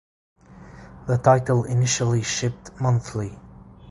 The title initially shipped monthly.